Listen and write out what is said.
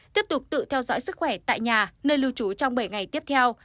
tiếp tục tự theo dõi sức khỏe tại nhà nơi lưu trú trong bảy ngày tiếp theo